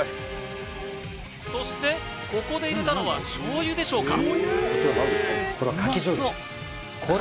そしてここで入れたのは醤油でしょうか？